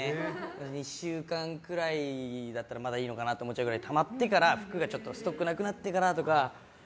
２週間くらいだったらまだいいのかなと思っちゃうぐらいたまってから、服のストックがなくなってからとか。